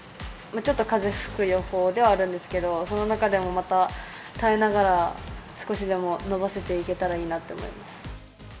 ちょっと風吹く予報ではあるんですけれども、その中でもまた耐えながら、少しでも伸ばせていけたらいいなと思います。